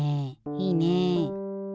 いいね！